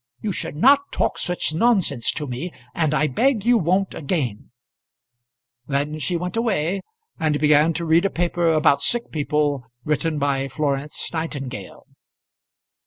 You should not talk such nonsense to me, and I beg you won't again." Then she went away, and began to read a paper about sick people written by Florence Nightingale.